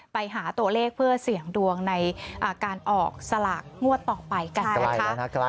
ไปหาตัวเลขเพื่อเสี่ยงดวงในการออกสลากงวดต่อไปกันนะคะ